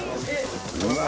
うわ。